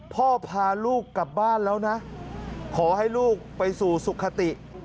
พาลูกกลับบ้านแล้วนะขอให้ลูกไปสู่สุขติ